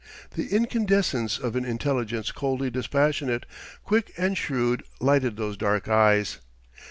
The incandescence of an intelligence coldly dispassionate, quick and shrewd, lighted those dark eyes.